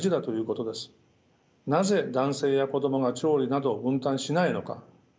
なぜ男性や子供が調理などを分担しないのか。